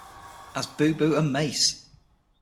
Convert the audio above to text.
As Boo Boo and Mace!